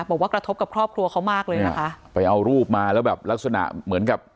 บอกว่ากระทบกับครอบครัวเขามากเลยนะคะไปเอารูปมาแล้วแบบลักษณะเหมือนกับ